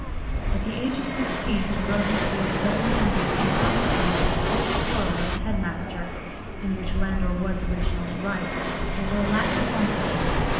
At the age of sixteen his Rugby career suddenly ended in consequence of a fierce quarrel with the head master (in which Landor was originally right) over a Latin quantity.